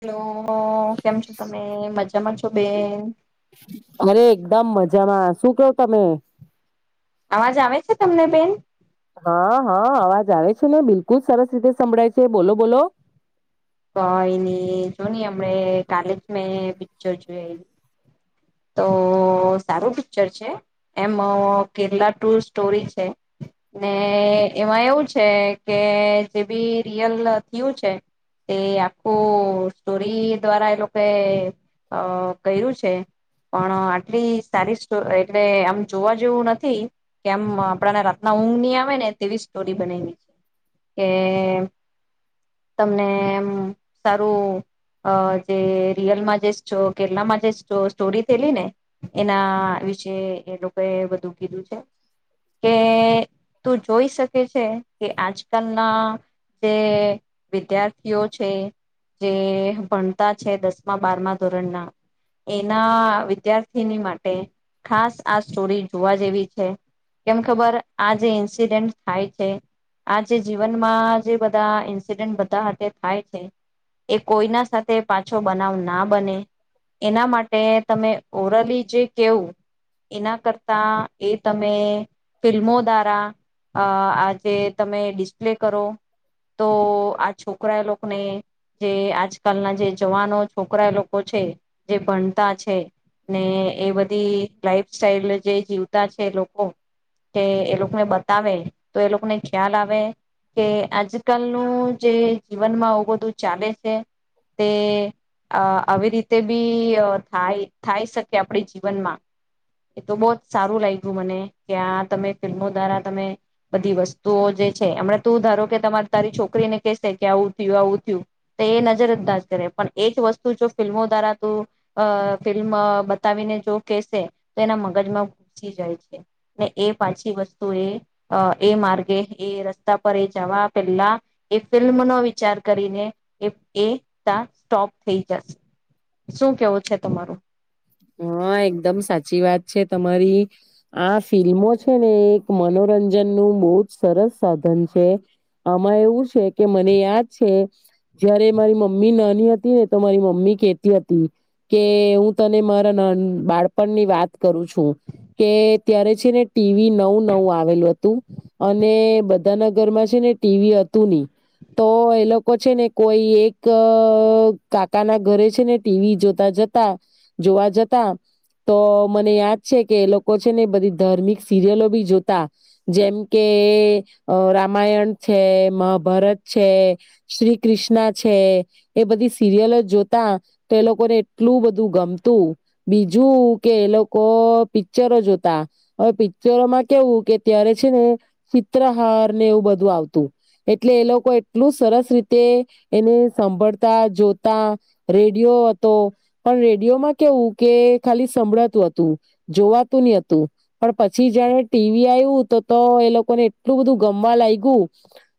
Hello [unintelligible] કેમ છો તમે ત મજામાં છો બેન અરે એકદમ મજામાં શું કેવ તમે અવાજ આવે છે તમને બેન હા, હા, અવાજ આવે છે ને બિલકુલ સરસ રીતે સંભળાય છે બોલો, બોલો તો એની જો ન હમણે કાલે જ મેં પિક્ચર જોય, એ તો સારું પિક્ચર છે, એમ કેરલા ટુ સ્ટોરી છે, ને એમાં એવું છે કે જે બી રિયલ થયું છે તે આખું સ્ટોરી દ્વારા એ લોકો કર્યું છે પણ આટલી સારી સ્ટો એટલે આમ જોવા જેવું નથી કે આમ આપણાને રાતના ઊંઘની આવે ને તેવી સ્ટોરી બનાવી છે કે તમને સારું જે રિયલમાં જે છો કેરલામાં જે સ્ટોરી થયેલી ને એના વિશે એ લોકો એ બધુ કીધું છે કે તું જોઈ શકે છે કે આજકાલના જે વિદ્યાર્થી વિદ્યાર્થીઓ છે જે ભણતા છે દસમા, બારમા, ધોરણના એના વિદ્યાર્થીની માટે ખાસ આ સ્ટોરી જોવા જેવી છે કેમ ખબર આ જે ઈન્સિડેન્ટ થાય છે આ જે જીવનમાં જે બધા ઈન્સિડેન્ટ બધા હતા થાય છે, એ કોઈના સાથે પાછો બનાવ ના બને એના માટે તમે ઓરલી જે કેવું એના કરતા એ તમે ફિલ્મો દ્વારા આજે તમે ડિસ્પ્લે કરો તો આ છોક છોકરા લોકોને જે આજકાલના જે જવાનો છોકરાય લોકો છે જે ભણતા છે ને એ બધી લાઈફ સ્ટાઇલ જે જીવતા છે લોકો કે એ લોકોને બતાવે તો એ લોકોને ખ્યાલ આવે કે આજકાલનું જે જીવનમાં આવુ બઘું તું ચાલે છે તે આવી રીતે બી થાય થાય શકે આપડી જીવનમાં એ તો બહ જ સારું લાગ્યું મને કે આ તમે ફિલ્મો દ્વારા તમે બધી વસ્તુઓ જે છે હમણા તું ધારો કે તમારે તારી છોકરીને કે કે આવું થયું આવું થયું તો એ નજર અંદાજ કરે પણ એ જ વસ્તુ જો ફિલ્મો દ્વારા તું ફિલ્મ બતાવીને જો કેસે તો એના મગજમાં ઘૂસી જાય છે ને એ પાછી વસ્તુ એ એ માર્ગે એ રસ્તા પર એ જવા પેલા એ ફિલ્મનોો વિચાર કરીને એ ત સ્ટોપ થઈ જશે શું કેવું છે તમારું હા, એકદમ સાચી વાત છે તમારી આ ફિલ્મો છે ને એક મનોરંજન નું બહુ જ સરસ સાધન છે, આમાં એવું છે કે મને યાદ છે જયારે મારી મમ્મી નાની હતી ને તો મારી મમ્મી કેતી હતી કે [unintelligible] તને મારા નાન બાળપણ ની વાત કરું છું કે ત્યારે છે ને ટીવી નવું નવું આવેલું હ [inaudible] અને બ બધાના ઘરમાં છે ને ટીવી હતું નહી, તો એ લોકો છે ને કોઈ એક કાકા ના ઘરે છે ને ટીવી જોતા જતા જોવા જતા તો મને યાદ છે કે એ લોકો છે ને બધી ધાર્મિક સિરિયલો બી જોતા, જેમ કે અ રામાયણ છે, મહાભારત છે, શ્રી કૃષ્ણ છે એ બધી સિરિયલો જોતા. તો એ લોકોને એટલું બધું ગમ તું બીજું કે એ લોકો પિક્ચરો જોતા, હવે પિક્ચરોમાં કેવું કે ત્યારે છે ને ચિત્રહાર ને એવું બધું આવતું, એટલે એ લોકો એટલું સરસ રીતે એને સાંભળતા, જોતા, રેડિયો હતો પણ રેડિયોમાં કેવું કે ખાલી સંભળાતું હતું, જોવાતું ની હતું, પણ પછી જાણે ટીવી આવ્યું તો ત્યાં એ લોકોને એટલું બધું ગમવા લાગ્યું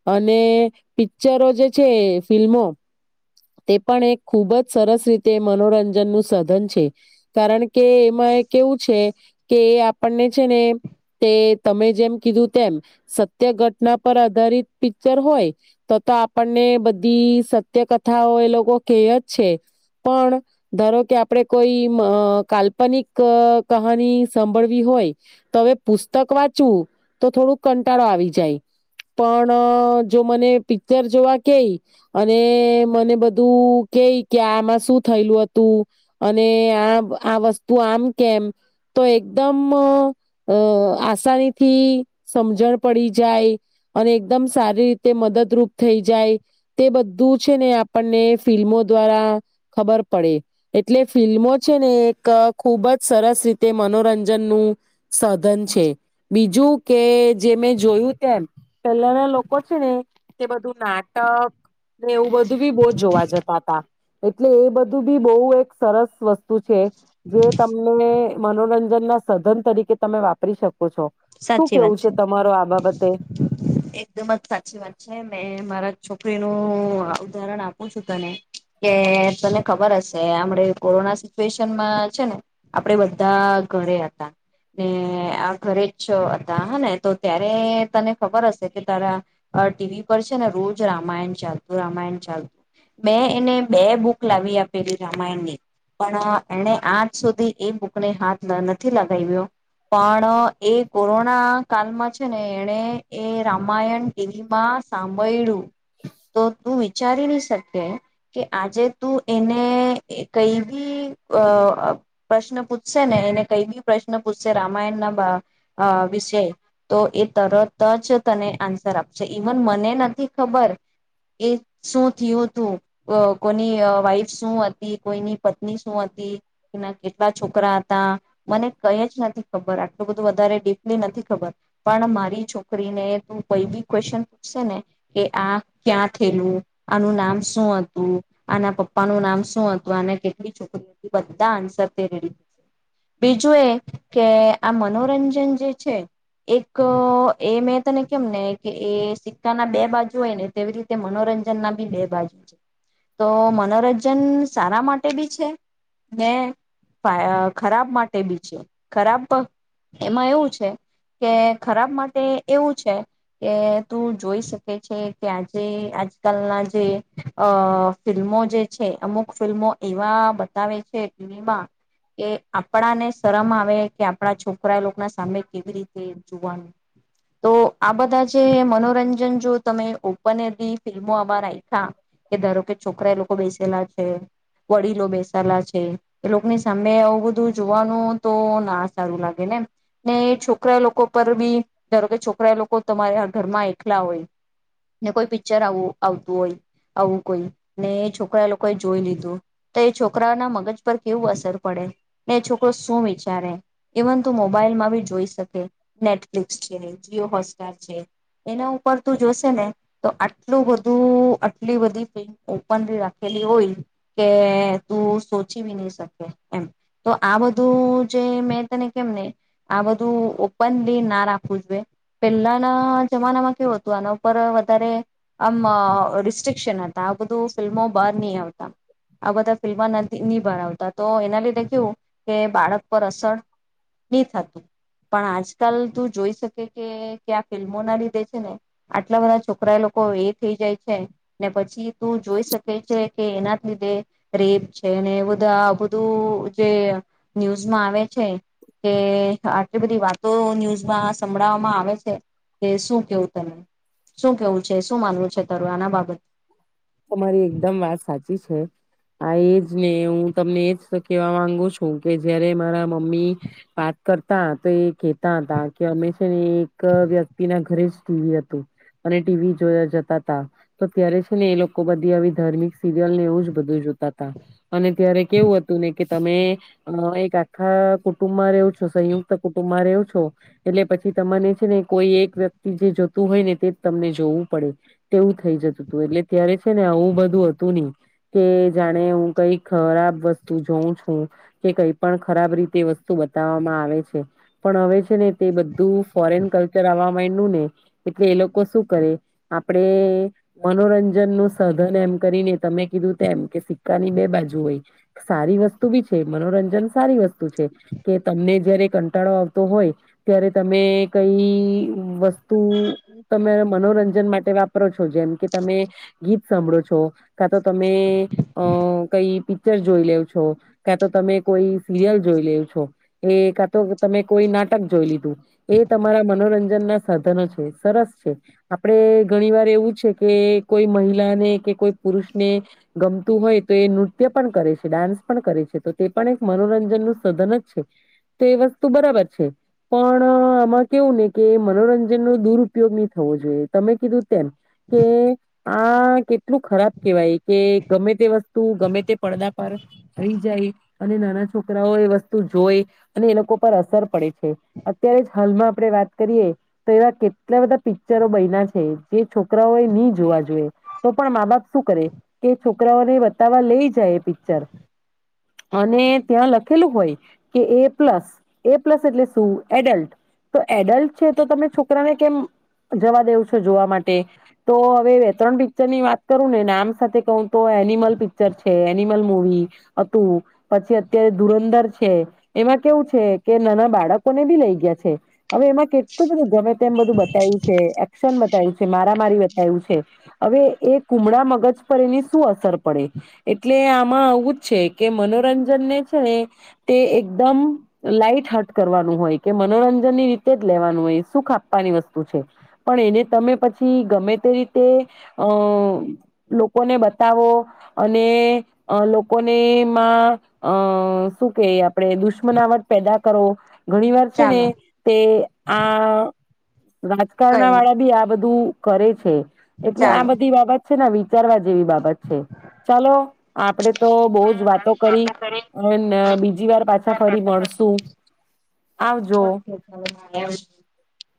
અને પિક્ચરો જે છે ફિલ્મો તે પણ એક ખુબ જ સરસ રીતે મનોરંજન નું સાધન છ છે કારણ કે એમાં કેવું છે કે આપણને છે ને તે તમે જેમ કીધું તેમ સત્ય ઘટના પર આધારિત પિક્ચર હોય તો તો આપણને બધી સત્ય કથાઓ એ લોકો કેય જ છે પણ ધારો કે આપડે કોઈ મ કાલ્પનિક ક કહાની સાંભળવી હોય તો હવે પુસ્તક વાંચવું, તો થોડુંક કંટાળો આવી જાય પણ જો મને પિક્ચર જોવા કેઈ અને મને બધું કેય કે આમાં શું થયેલું હતું અને આ આ વસ્તુ આમ કેમ તો એકદમ અ આસાની થી સમજણ પડી જાય અને એકદમ સારી રીતે મદદરૂપ થઈ જાય, તે બધું છે ને આપણને ફિલ્મો દ્વારા ખબર પડે એટલે ફિલ્મો છે ને એક ખુબ જ સરસ રીતે મનોરંજનનું સાધન છે બીજું કે જે મેં જોયું તેમ પેલાના લોકો છે ને તે બધું નાટક એવું બધું બી બહુ જોવા જતા હતા. એટલે એ બધું બી બહુ એક સરસ વસ્તુ છે. જે તમને મનોરંજન ના સાધન તરીકે તમે વાપરી શક સાચી વાત છે. બાબતે એકદમ જ સાચી વાત છે. મે મારા છોકરીનું ઉદાહરણ આપું છું તને કે તને ખબર હશે આપણે કોરોના સિચુએશનમાં છે ને આપડે બધા ઘરે હતા ને આ ઘરે છે હતા હને તો ત્યારે તને ખબર હશે કે આ તારા ટીવી પર છે ને રોજ રામાયણ ચાલતું રામાયણ ચાલતું. મે એને બે બુક લાવી આપેલી રામાયણની પણ એને આજ સુધી એ બુકને હાથ ન નથી લગાવ્યો પણ એ કોરોના કાલમાં છે ને એને એ રામાયણ ટીવી માં સાંભળ્યું. તો તું વિચારી ન શકે કે આજે તું એને કઈ બી અ પ્રશ્ન પૂછશે ને એને કઈ બી પ્રશ્ન પૂછશે. રામાયણ ના બા અ વિષે તો એ તરત જ તને આન્સર આપશે. ઈવન મને નથી ખબર એ શું થયું તું. એ કોની વ વાઈફ શું હતી, કોઈની પત્ની શું હતી, ના કેટલા છોકરા હતા. મને કઈ જ નથી ખબર આટલું બ આટલું વધારે ડીપ્લી નથી ખબર પણ મારી છોકરીને તું કઈ બી ક્વેશન પૂછશેને કે આ ક્યાં થયેલું, આનું નામ શું હતું, આના પપ્પાનું નામ શું હતું, આને કેટલી છોકરી બધા આન્સર રેડી. બીજું એ કે આ મનો મનોરંજન જે છે. એક એ મેં તને કેમ ને કે એ સિક્કા ના બે બાજુ હોય ને તેવી રીતે મનોરંજન ના બી બે બાજુ છે તો મનોરંજન સારા માટે બી છે ને સા ખરાબ માટે બી છે ખરાબ તો એમાં એવું છે કે ખરાબ માટે એવું છે કે તું જોઈ શકે છે કે આજે આજકાલના જે અ ફિલ્મો જે છે. અમુક ફિલ્મો એવા બતાવે છે ટીવીમાં કે આપણા ને શરમ આવે કે આપણા છોક પરા લોકના સામે કેવી રીતે જોવાનું? તો આ બધા જે મનોરંજન જે તમે ઓપન એ [unintelligible] ફિલ્મો [unintelligible] બાર આયવી. હા કે ધારો કે છોકરા એ લોકો બેસેલા છે. વડીલો બેસાલા છે એ લોકોની સામે આવું બધું જોવાનું તો ના સારું લા ને છોકરા લોકો પર બી ધારો કે છોકરા લોકો તમારા ઘરમાં એકલા હોય ને કોઈ પિક્ચર આવું આવતું હોય. આવું કોઈ ને છોકરા લોકો એ જોઈ લીધું તો. એ છોકરા ના મગજ પર કેવું અસર પડે ને? એ છોકરો શું વિચારે? ઇવન તું મોબાઈલમાં બી જોઈ શકે નેટફ્લિક્સ છે, જીઓ હોટસ્ટાર છે એના ઉપર તું જોશે ને તો આટલું બધું આટલી બધી ફિલ્મ ઓપન બી રાખેલી હોય કે તું સોચી નહી શકે એમ. તો આ બધું જે મેં [unintelligible] આ બધું ઓપનલી ના રાખવું જોઈએ. પેલાના જમાનામાં કેવું હતું આના પર વધારે આમ રિસ્ટ્રિકશન હતા. આ બધું ફિલ્મો બહાર નહિ આવતા. આ બધા ફિલ્મ ન બહાર આવતા તો એના લીધે કેવું કે બાળક પર અસર નહી થતું પણ આજકાલ તું જોઈ શકે કે કે આ ફિલ્મો ના લીધે છે ને આટલા બધા છોકરા લોકો એ થઈ જાય છે ને પછી તું જોઈ શકે છે. કે એના જ લીધે રેપ છે અને એ બધા બધું જે ન્યૂઝમાં આવે છે. કે આટલી બધી વાતો ન્યૂઝમાં સંભળાવવામાં આવે છે કે શું કેવું ત શું કેવું છે? શું માનવું છે તરું આના બાબત? આ એ જ ને હું તમને એજ કેહેવા માંગુ છું કે જયારે મારા મમ્મી વાત કરતા તો એ કેહેતા હતા કે અમે છે ને એક વ્યક્તિ ના ઘરે જ ટીવી હતું અને ટીવી જોવા જતા તા તો ત્યારે છે ને એ લોક લોકો બધી આવી ધ્મિક સીરિયલ એવું જ બધ જોું. અને ત્યારે કેવું હતું ને. કે તમે એક આખા કુટુંબમાં રહો છો સંયુક્ત કુટુંબમાં રહો છો એટલે પછી તમાને છે ને કોઈ એક વ્યક્તિ જે જોતું હોય ને તે જ તમને જોવું પડે તેવું થઈ જતું હતું એટલે. અત્યારે છે ને આવું બધું હતું નહી કે જાણે હું કઈ ખરાબ વસ્તુ જોઉં છું કે કઈ પણ ખરાબ રીતે વસ્તુ બતાવવામાં આવે છે પણ હવે છે ને તે બધું ફોરેન કલ્ચર આવ નું ને એટલે એ લોકો શું કરે આપણે મનોરંજન નું સધન એમ કરીને તમે કીધું એમ કે. કાની બે બાજુ હોય. સારી વસ્તુ બી છે મનોરંજન સારી વસ્તુ છે કે તમને જયારે કંટાળો આવતો હોય ત્યારે તમે કઈ વસ્તુ તમે મનોરંજન માટે વાપરો છો જેમ કે તમે. ગીત સાંભળો છો કા તો તમે અ કઈ પિક્ચર જોઈ લેઉ છો કા તો તમે કોઈ સિરિયલ જોઈ લેવ છો એ કા તો તમે કોઈ નાટક જોઈ લીધું એ તમારા મનોરંજન ના સાધનો છે સરસ છે આપડે ઘણી વાર એવું છે કે. કોઈ મહિલાને કે કોઈ પુરુષને ગમતું હોય તો એ નૃત્ય પણ કરે છે ડાન્સ પણ કરે છે તો તે પણ એક મનોરંજન નું સધન જ છે તો એ વસ્તુ બરાબર છે પણ આમાં કેવું ને કે મનોરંજનનોો દુરપયોગ નહી થવો જોઈએ તમે કીધું. તેમ કે. આ કેટલું ખરાબ કેહેવાય કે ગમે તે વસ્તુ ગમે તે પડદા. પર આવીઈ જાય. અને નાના છોકરાઓ એ વસ્તુ જોઈ અને એ લોકો પર અસર પડે છે અત્યારે જ હાલમાં આપણેે વાત કરીએ તો એવા કેટલા બધા પિક્ચરો બન્યા છે જે છોકરાઓ એ નહી જોવા તો પણ માં બાપ શું કરે કે છોકરાઓને બતાવવા લઈ જાય એ પિક્ચર અને ત્યાં લખેલું હોય કે એ પ્લસ એ પ્લસ એટલે શું એડલ્ટ તો એડલ્ટ છે તો તમે છોકરાને કેમ જવા દેવ છો જોવા માટે. તો હવે ત્રણ પિક્ચર ની વાત કરું ને નામ સાથે કહ તો એનિમલ પિક્ચર છે એનિમલ મુવી હતું પછી અત્યારે ધુરંધર છે એમાં કેવું છે કે નાના બાળકોને બી લઈ ગયા છે હવે એમાં એલું બધું ગમે તેમ બધું બતાય્યું છે. [unintelligible] બતાયું છે મારા મારી બતાયું છે. હવે એ કુમડા મગજ પર એની શું અસર પડે એટલે આમાં આવું જ છે કે મનોરંજનને છે ને તે એકદમ લાાઈટ હટ કરવાનું હોય કે મનોરંજન ની રીતે જ લેવાનું હોય શું ખા આપવાની વસ્તુ છે પણ એને તમે પછી ગમે તે રીતે અ લોકોને બતાવો અને અ લોકોને માં અ શું કે આપ આપણે દુશ્મનાવટ પેદા કરો ઘણી વાર છે ને ચાલો તે આ રાજકારણ કઈ વાળા બી આ બધું કરે છે. આ ચાલો બધી બાબત [unintelligible] ના વિચારવા જેવી બાબત છે. ચાલો આપડે તો બહ જ વાતો કરી અને બીજી વાર પાછા ફરી મળશું આવજો. ઓકે [unintelligible]